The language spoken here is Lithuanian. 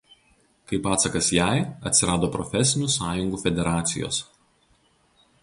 Kaip atsakas jai atsirado profesinių sąjungų federacijos.